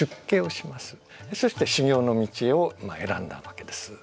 そして修行の道を選んだわけです。